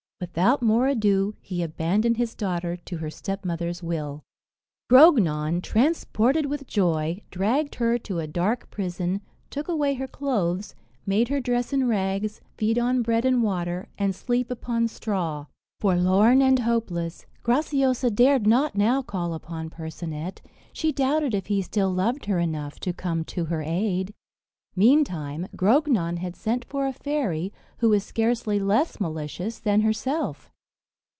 Without more ado, he abandoned his daughter to her stepmother's will. Grognon, transported with joy, dragged her to a dark prison, took away her clothes, made her dress in rags, feed on bread and water, and sleep upon straw. Forlorn and hopeless, Graciosa dared not now call upon Percinet; she doubted if he still loved her enough to come to her aid. Meantime, Grognon had sent for a fairy, who was scarcely less malicious than herself.